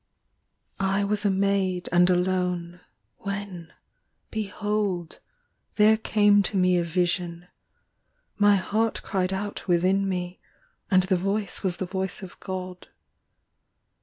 23 I was a maid and alone, When, behold, there came to me a vision; My heart cried out within me, And the voice was the voice of God.